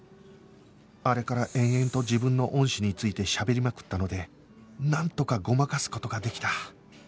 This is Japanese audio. あれから延々と自分の恩師についてしゃべりまくったのでなんとかごまかす事ができた